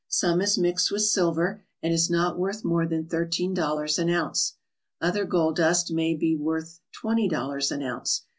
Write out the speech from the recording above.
Some is mixed with silver and is not worth more than thirteen dollars an ounce. Other gold dust may be worth twenty dollars an ounce.